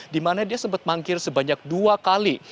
dimana dia sempat mangkir sebanyak dua kali